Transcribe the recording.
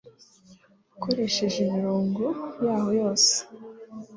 ukoresheje imirongo, yaho yose